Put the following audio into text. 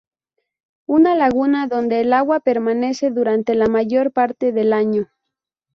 Una laguna donde el agua permanece durante la mayor parte del año.